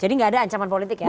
jadi nggak ada ancaman politik ya